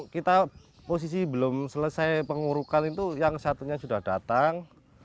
kita posisi belum selesai pengurukan itu yang satunya sudah datang